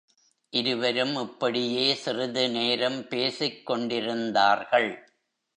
இருவரும் இப்படியே சிறிது நேரம் பேசிக்கொண்டிருந்தார்கள்.